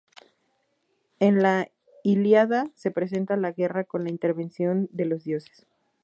En la Ilíada se presenta la guerra con la intervención de los dioses.